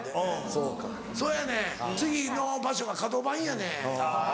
そうやねん次の場所がかど番やねん。